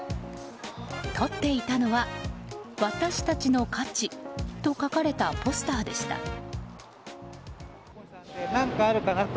撮っていたのは「私たちの価値」と書かれたポスターでした。